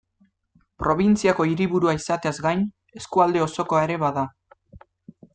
Probintziako hiriburua izateaz gain, eskualde osokoa ere bada.